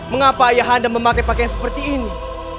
mengapa ayah anda memakai pakaian seperti ini